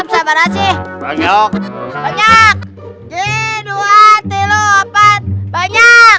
selasi selasi bangun